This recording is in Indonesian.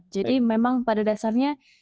jadi memang pada dasarnya